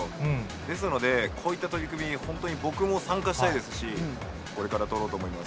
ですので、こういった取り組み、本当に僕も参加したいですし、これから撮ろうと思います。